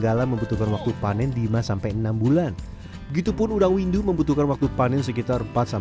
dalam membutuhkan waktu panen lima enam bulan begitupun udang windu membutuhkan waktu panen sekitar